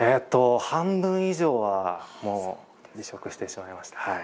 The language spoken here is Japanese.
半分以上は離職してしまいました。